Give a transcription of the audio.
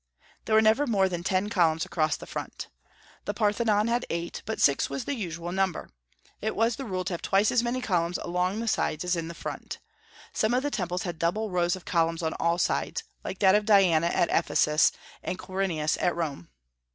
There were never more than ten columns across the front. The Parthenon had eight, but six was the usual number. It was the rule to have twice as many columns along the sides as in front. Some of the temples had double rows of columns on all sides, like that of Diana at Ephesus and of Quirinus at Rome.